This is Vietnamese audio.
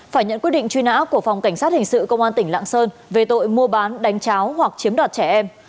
phải nhận quyết định truy nã của phòng cảnh sát hình sự công an tỉnh lạng sơn về tội mua bán đánh cháo hoặc chiếm đoạt trẻ em